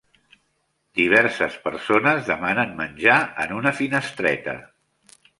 Diverses persones demanen menjar en una finestreta.